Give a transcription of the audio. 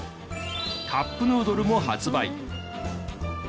カップヌードルも発売。